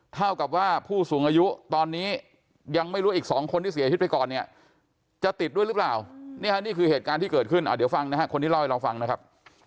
เท่ากับว่าผู้สูงอายุตอนนี้ยังไม่รู้อีก๒คนที่เสียชีวิตไปก่อนเนี่ยจะติดด้วยหรือเปล่านี่ฮะนี่คือเหตุการณ์ที่เกิดขึ้นเดี๋ยวฟังนะฮะคนที่เล่าให้เราฟังนะครับ